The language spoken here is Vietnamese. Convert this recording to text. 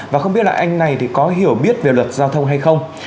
và không biết là anh này thì có hiểu biết về luật giao thông hay không